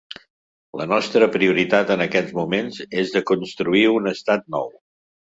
La nostra prioritat en aquests moments és de construir un estat nou.